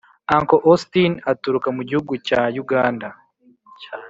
Uncle Austin aturuka mugihugu cyan Uganda